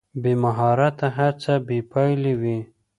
بې مهارته هڅه بې پایلې وي.